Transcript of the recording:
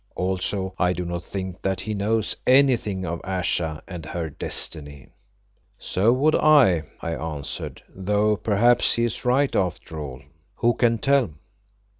Also I do not think that he knows anything of Ayesha and her destiny." "So would I," I answered, "though perhaps he is right after all. Who can tell?